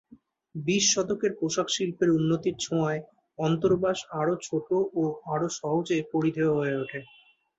বিশ শতকের পোশাক শিল্পের উন্নতির ছোঁয়ায় অন্তর্বাস আরো ছোট ও আরো সহজে পরিধেয় হয়ে ওঠে।